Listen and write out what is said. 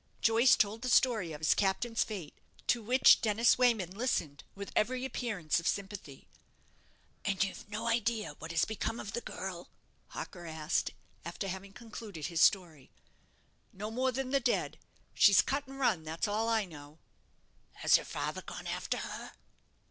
Joyce told the story of his captain's fate, to which Dennis Wayman listened with every appearance of sympathy. "And you've no idea what has become of the girl?" Harker asked, after having concluded his story. "No more than the dead. She's cut and run, that's all I know." "Has her father gone after her?"